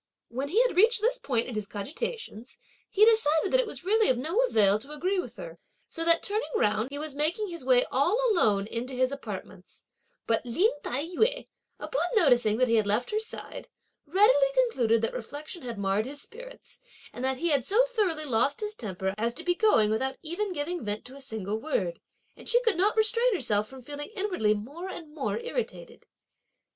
When he had reached this point in his cogitations, (he decided) that it was really of no avail to agree with her, so that turning round, he was making his way all alone into his apartments; but Lin Tai yü, upon noticing that he had left her side, readily concluded that reflection had marred his spirits and that he had so thoroughly lost his temper as to be going without even giving vent to a single word, and she could not restrain herself from feeling inwardly more and more irritated.